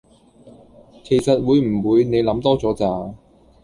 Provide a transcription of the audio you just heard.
其實會唔會你諗多咗咋？